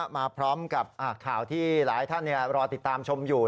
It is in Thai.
มาพร้อมกับข่าวที่หลายท่านรอติดตามชมอยู่